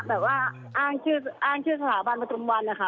แบบว่าอ้างชื่อสถาบันประทุมวันอะค่ะ